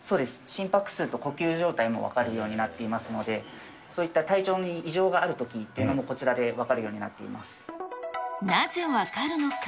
心拍数と呼吸状態も分かるようになっていますので、そういった体調に異常があるときっていうのも、こちらで分かるようになっていまなぜ分かるのか。